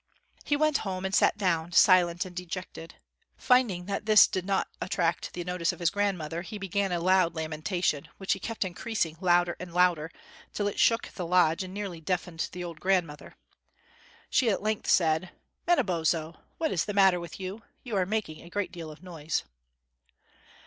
He went home and sat down, silent and dejected. Finding that this did not attract the notice of his grandmother, he began a loud lamentation, which he kept increasing, louder and louder, till it shook the lodge and nearly deafened the old grandmother. She at length said: "Manabozho, what is the matter with you? You are making a great deal of noise."